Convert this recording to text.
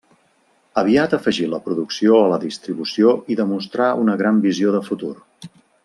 Aviat afegí la producció a la distribució i demostrà una gran visió de futur.